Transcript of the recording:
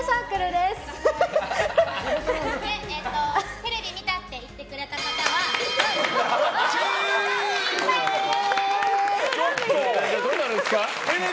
テレビ見たって言ってくれた方は謎です。